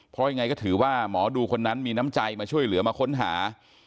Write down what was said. เพราะยังไงก็ถือว่าหมอดูคนนั้นมีน้ำใจมาช่วยเหลือมาค้นหา